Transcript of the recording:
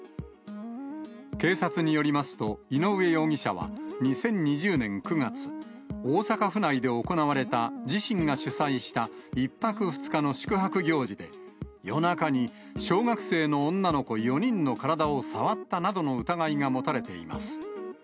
警察によりますと、井上容疑者は２０２０年９月、大阪府内で行われた自身が主催した１泊２日の宿泊行事で、夜中に小学生の女の子４人の体を触ったなどの疑いが持たれています。